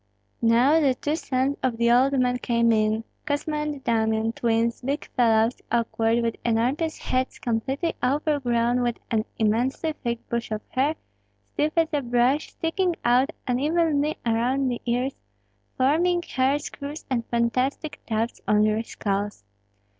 Now the two sons of the old man came in, Kosma and Damian, twins, big fellows, awkward, with enormous heads completely overgrown with an immensely thick bush of hair, stiff as a brush, sticking out unevenly around the ears, forming hair screws and fantastic tufts on their skulls.